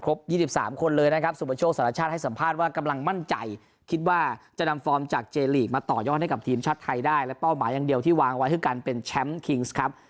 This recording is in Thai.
และการการเจลีกมาต่อยอดให้กับทีมชาติไทยได้และเป้าหมายอย่างเดียวที่วางไว้คือกันเป็นแชมป์คิงส์ครับ